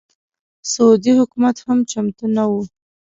سعودي حکومت هم چمتو نه وي.